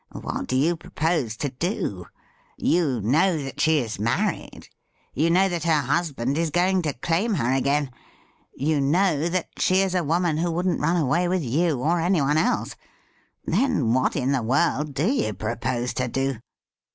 What do you propose to do ? You know that she is married ; you know that her husband is going to claim her again ; you know that she is a woman who wouldn't run away with you or anyone else. Then, what in the world do you propose to do